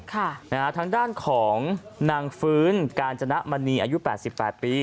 ทางด้านของนางฟื้นการจนะบณีอายุ๘๘ปี